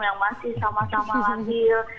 yang masih sama sama labil